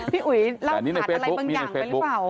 พี่อุ๋ยเล่าขาดอะไรบางอย่างไปหรือเปล่า